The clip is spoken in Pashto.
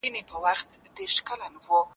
له کورني مشورې پرته ستر اهداف نه ترلاسه کېږي.